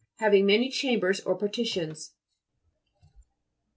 Hav ing many chambers or partitions.